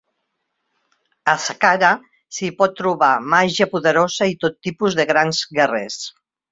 A Zakhara s'hi pot trobar màgia poderosa i tot tipus de grans guerrers.